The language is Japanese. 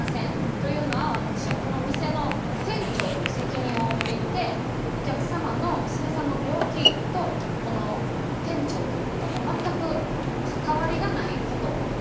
というのは私はこの店の店長という責任を負っていてお客様の娘さんの病気とこの店長ということは全く関わりがないことです。